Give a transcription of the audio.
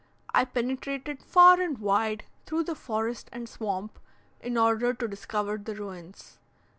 I penetrated far and wide, through forest and swamp, in order to discover the ruins.